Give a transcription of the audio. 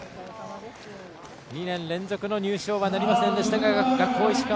２年連続の入賞はなりませんでしたが学法石川